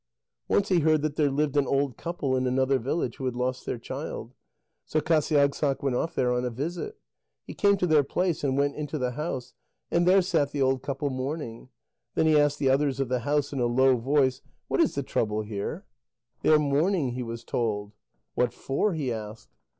Once he heard that there lived an old couple in another village, who had lost their child. So Qasiagssaq went off there on a visit. He came to their place, and went into the house, and there sat the old couple mourning. Then he asked the others of the house in a low voice: "What is the trouble here?" "They are mourning," he was told. "What for?" he asked.